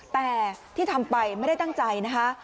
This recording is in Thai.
แต่ที่ทำไปไม่ได้ตั้งใจนะคะ